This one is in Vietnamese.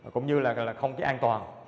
cũng như là không an toàn